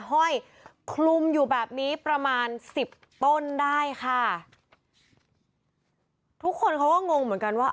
ห้อยคลุมอยู่แบบนี้ประมาณสิบต้นได้ค่ะทุกคนเขาก็งงเหมือนกันว่า